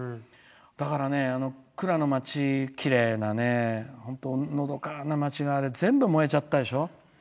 だから、クラの町きれいな本当に、のどかな町が全部燃えちゃったでしょ。